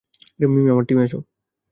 মিমি, আমার টিমে আসো।